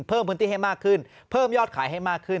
เพิ่มพื้นที่ให้มากขึ้นเพิ่มยอดขายให้มากขึ้น